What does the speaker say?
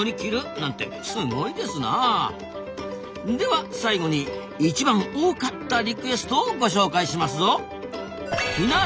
では最後に一番多かったリクエストをご紹介しますぞ。